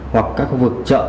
hoặc các khu vực chợ